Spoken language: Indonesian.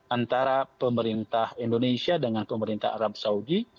antara pemerintah indonesia dengan pemerintah arab saudi